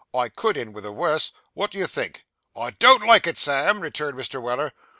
'I _could _end with a werse; what do you think?' 'I don't like it, Sam,' rejoined Mr. Weller.